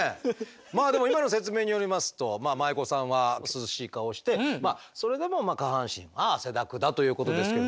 まあでも今の説明によりますと舞妓さんは涼しい顔してそれでも下半身は汗だくだということですけれどもね。